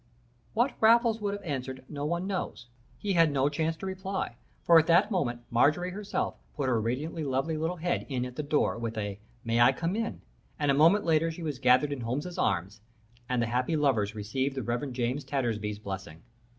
"What Raffles would have answered no one knows. He had no chance to reply, for at that moment Marjorie herself put her radiantly lovely little head in at the door with a 'May I come in?' and a moment later she was gathered in Holmes's arms, and the happy lovers received the Reverend James Tattersby's blessing.